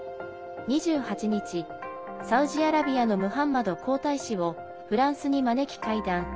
２８日、サウジアラビアのムハンマド皇太子をフランスに招き、会談。